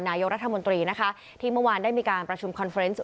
นายกรัฐมนตรีนะคะที่เมื่อวานได้มีการประชุมคอนเฟรนต์